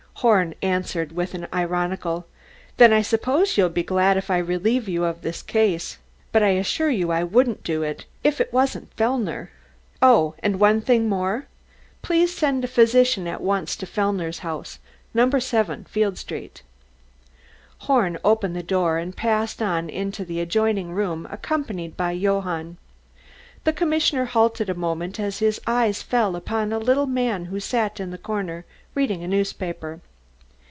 Horn answered with an ironical: "Then I suppose you'll be glad if I relieve you of this case. But I assure you I wouldn't do it if it wasn't Fellner. Good bye. Oh, and one thing more. Please send a physician at once to Fellner's house, No. 7 Field Street." Horn opened the door and passed on into the adjoining room, accompanied by Johann. The commissioner halted a moment as his eyes fell upon a little man who sat in the corner reading a newspaper.